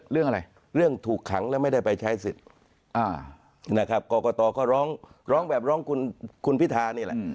เรื่องอะไรเรื่องถูกขังแล้วไม่ได้ไปใช้สิทธิ์นะครับกรกตก็ร้องร้องแบบร้องคุณพิธานี่แหละ